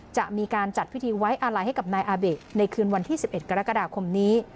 จะมีการจัดพิธีไว้อาลัยให้กับนายอาเบะในคืนวันที่๑๑กรกฎาคมนี้